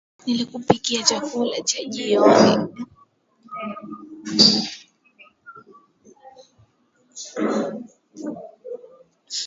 Nilikupikia chakula cha jioni